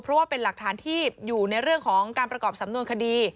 เพราะว่าเป็นหลักฐานที่อยู่ในเรื่องของการประกอบสำนวนคดี